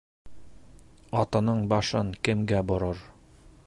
Атының башын кемгә борор?